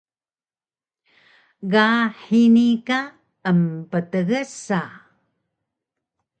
Ga hini ka emptgsa